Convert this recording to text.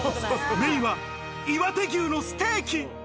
メインは岩手牛のステーキ。